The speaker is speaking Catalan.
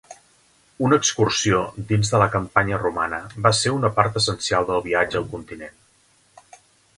Una excursió dins de la campanya romana va ser una part essencial del viatge al continent.